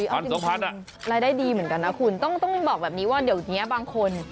พันสองพันอ่ะรายได้ดีเหมือนกันนะคุณต้องต้องบอกแบบนี้ว่าเดี๋ยวนี้บางคน